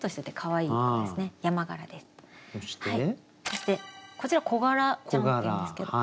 そしてこちらコガラちゃんっていうんですけど。